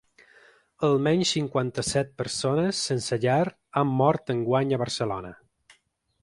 Almenys cinquanta-set persones sense llar han mort enguany a Barcelona.